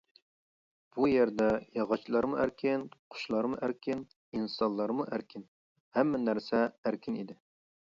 بۇ يەردە ياغاچلارمۇ ئەركىن، قۇشلارمۇ ئەركىن، ئىنسانلارمۇ ئەركىن، ھەممە نەرسە ئەركىن ئىدى.